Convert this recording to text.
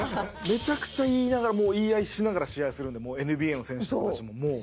めちゃくちゃ言いながら言い合いしながら試合するんでＮＢＡの選手の人たちももう。